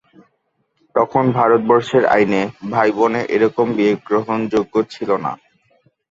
তখন ভারতবর্ষের আইনে ভাই-বোনে এরকম বিয়ে গ্রহণযোগ্য ছিল না।